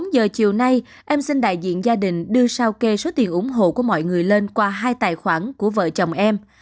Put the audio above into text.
một mươi bốn h chiều nay em xin đại diện gia đình đưa sao kê số tiền ủng hộ của mọi người lên qua hai ngày